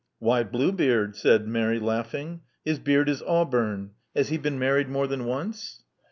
*'Why Bluebeard?" said Mary, laughing. His beard is auburn. Has he been married more than once?"